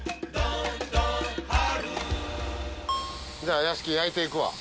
じゃあ屋敷焼いて行くわ。